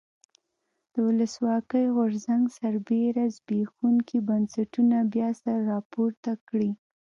د ولسواکۍ غورځنګ سربېره زبېښونکي بنسټونه بیا سر راپورته کړي.